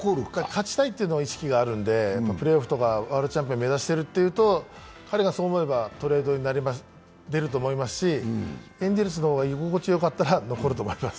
勝ちたいっていう意識はあるのでプレーオフとかワールドチャンピオンを目指してるってなると、彼がそう思えばトレードに出ると思いますしエンゼルスの方が居心地がよかったら残ると思います。